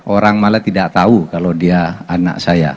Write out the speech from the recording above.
orang malah tidak tahu kalau dia anak saya